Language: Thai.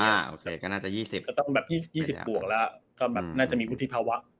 อ่าโอเคก็น่าจะยี่สิบก็ต้องแบบยี่สิบยี่สิบบวกแล้วก็แบบน่าจะมีวุฒิภาวะ